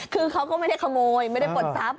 คือเขาก็ไม่ได้ขโมยไม่ได้ปลดทรัพย